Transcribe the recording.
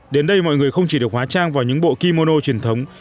đến đây mọi người không chỉ được hóa trang vào những bộ kimono truyền thống